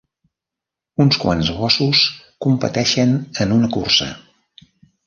Uns quants gossos competeixen en una cursa.